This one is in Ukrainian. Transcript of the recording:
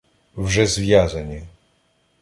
— Вже зв'язані.